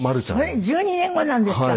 これ１２年後なんですか？